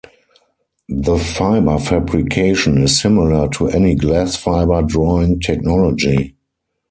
The fiber fabrication is similar to any glass-fiber drawing technology.